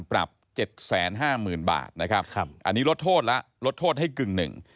ปรับ๗๕๐๐๐๐บาทนะครับอันนี้ลดโทษละลดโทษให้กึ่งหนึ่ง